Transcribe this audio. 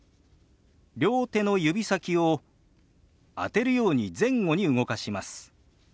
両手の指先を当てるように前後に動かします。